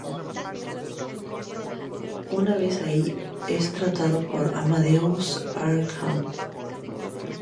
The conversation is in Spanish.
Una vez allí, es tratado por Amadeus Arkham.